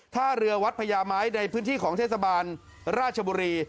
ท่าเรือวัดพญาไม้ในพื้นที่ของเทศบาลราชบุรี